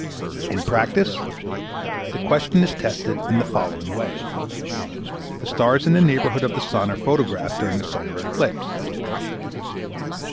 In practice, the question is tested in the following way. The stars in the neighbourhood of the sun are photographed during a solar eclipse.